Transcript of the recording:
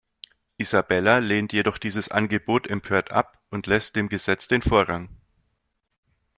Isabella lehnt jedoch dieses Angebot empört ab und lässt dem Gesetz den Vorrang.